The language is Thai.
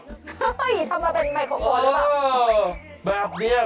ทำมาเป็นมาคอปโปรดหรือเปล่า